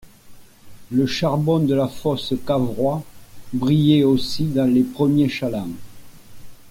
Le charbon de la fosse Cavrois brillait aussi dans les premiers chalands.